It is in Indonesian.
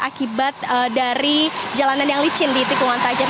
akibat dari jalanan yang licin di tikungan tajam